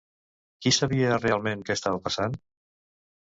Qui sabia realment què estava passant?